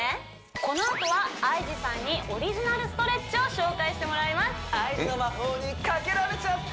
このあとはＩＧさんにオリジナルストレッチを紹介してもらいますＩＧの魔法にかけられちゃって！